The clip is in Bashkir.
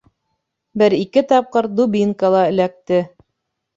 Бер-ике тапҡыр дубинка ла эләкте.